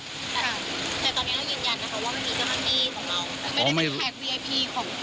ครับแต่ตอนนี้ต้องยืนยันว่ามีกระทรวงทรัพยากรธรรมชาติของเรา